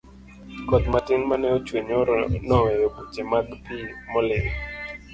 koth matin mane ochwe nyoro noweyo buche mag pi molil